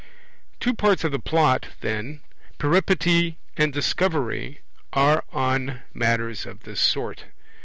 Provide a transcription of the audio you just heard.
Two parts of the Plot, then, Peripety and Discovery, are on matters of this sort.